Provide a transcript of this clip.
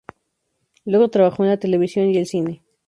Luego trabajó en la televisión y el cine.